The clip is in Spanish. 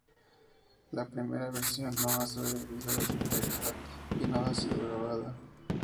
La primera versión no ha sobrevivido en su integridad, y no ha sido grabada.